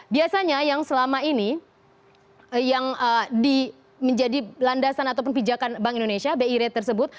biasanya yang selama ini yang menjadi landasan ataupun pijakan bank indonesia bi rate tersebut